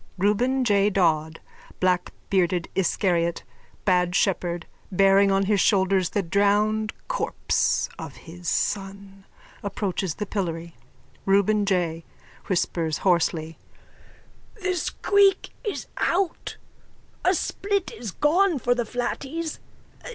_(Reuben J Dodd, blackbearded Iscariot, bad shepherd, bearing on his shoulders the drowned corpse of his son, approaches the pillory.)_ REUBEN J: (Whispers hoarsely.) The squeak is out. A split is gone for the flatties.